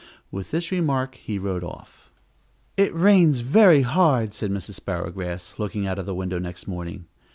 With this remark he rode off.... "It rains very hard," said Mrs. Sparrowgrass, looking out of the window next morning.